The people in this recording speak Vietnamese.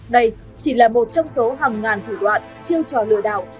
đây chỉ là một trong số hàng ngàn thủ đoạn chiêu trò lừa đảo